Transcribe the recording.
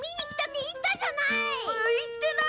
言ってない！